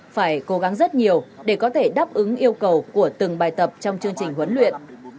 phải cố gắng rất nhiều để có thể đáp ứng yêu cầu của từng bài tập trong chương trình huấn luyện